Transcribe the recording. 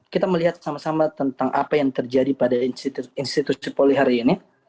kita melihat sama sama tentang apa yang terjadi pada institusi polri hari ini